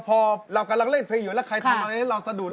พอเรากำลังเล่นเพลงอยู่แล้วใครทำอะไรให้เราสะดุด